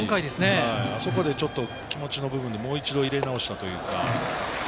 あそこで気持ちの部分でもう一度入れ直すというか。